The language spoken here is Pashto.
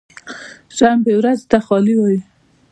د شنبې ورځې ته خالي وایی